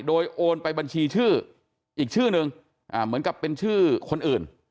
โดยโอนไปบัญชีชื่ออีกชื่อนึงเหมือนกับเป็นชื่อคนอื่น